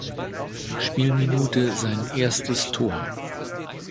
Spielminute sein erstes Tor.